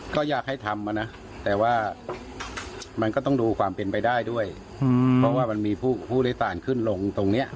ก็อยากให้ทำนะแต่ว่ามันก็ต้องดูความเป็นไปได้ด้วยเพราะว่ามันมีผู้โดยสารขึ้นลงตรงเนี้ย